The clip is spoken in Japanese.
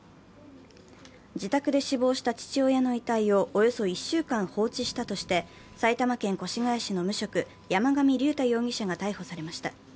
自宅で死亡した父親の遺体をおよそ１週間放置したとして、埼玉県越谷市の無職山上竜太容疑者が逮捕されました。